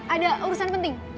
ada urusan penting